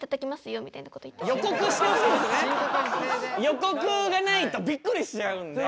予告がないとびっくりしちゃうんで。